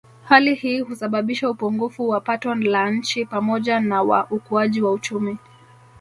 Hali hii husababisha upungufu wa pato la nchi pamoja na wa ukuaji wa uchumi